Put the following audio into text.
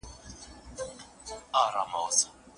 دوی به تر ماښامه پورې کار کوي.